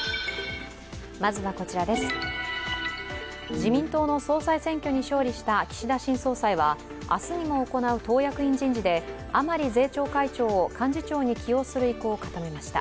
自民党の総裁選挙に勝利した岸田新総裁は明日にも行う党役員人事で、甘利税調会長を幹事長に起用する意向を固めました。